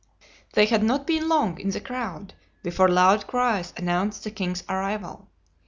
They had not been long in the crowd before loud cries announced the king's arrival.